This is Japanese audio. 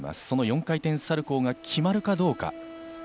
その４回転サルコーが決まるかどうか。